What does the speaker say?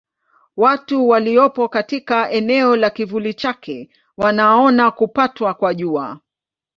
Watu waliopo katika eneo la kivuli chake wanaona kupatwa kwa Jua.